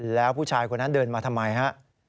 แล้วผู้ชายคนนั้นเดินมาทำไมฮะ